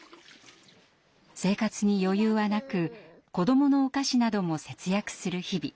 生活に余裕はなく子どものお菓子なども節約する日々。